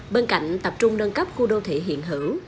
bên cạnh tập trung nâng cấp khu đô thị hiện hữu